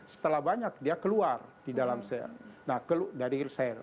setelah banyak dia keluar di dalam sel